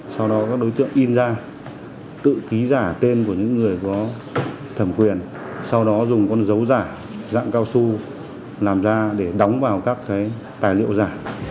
sau đó các đối tượng in ra tự ký giả tên của những người có thẩm quyền sau đó dùng con dấu giả dạng cao su làm ra để đóng vào các tài liệu giả